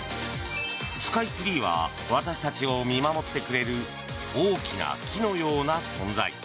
スカイツリーは私たちを見守ってくれる大きな木のような存在。